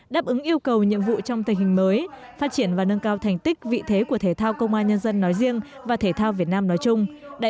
đáp ứng yêu cầu nhiệm vụ trong tình hình mới phát triển và nâng cao thành tích vị thế của thể thao công an nhân dân nói riêng và thể thao việt nam nói chung